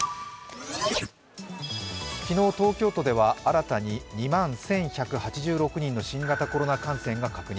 昨日東京都では新たに２万１１８６人の新型コロナ感染が確認。